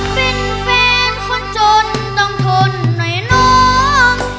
เป็นแฟนคนจนต้องทนหน่อยน้อง